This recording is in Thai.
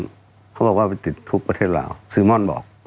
พศ๕๘เขาบอกว่าติดคุกประเทศลาวซื้อม่อนบอก